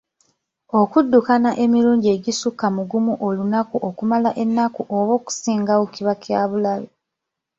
Okuddukana emirundi egisukka mu gumu olunaku okumala ennaku oba okusingawo kiba kyabulabe.